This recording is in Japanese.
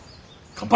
乾杯！